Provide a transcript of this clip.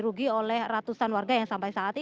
ini untuk menangani dan juga menyelesaikan proses ganti